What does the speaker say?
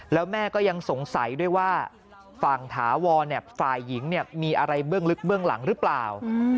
แล้วแม่ก็ยังสงสัยด้วยว่าฝั่งถาวรฝ่ายหญิงมีอะไรเบื้องลึกเบื้องหลังหรือเปล่า